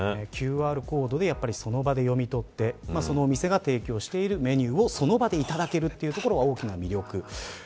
ＱＲコードをその場で読み取ってそのお店が提供しているメニューをその場でいただけるのが大きな魅力。